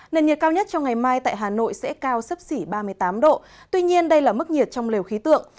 nền nhiệt cao nhất trong ngày mai tại hà nội sẽ cao sấp xỉ ba mươi tám độ tuy nhiên đây là mức nhiệt trong lều khí tượng